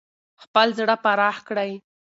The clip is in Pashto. خپل زړه پراخ کړئ.